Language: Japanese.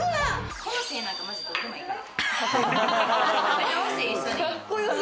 この手なんかまじどうでもいいから。